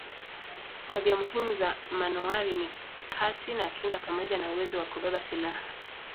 Tabia muhimu za manowari ni kasi na kinga pamoja na uwezo wa kubeba silaha.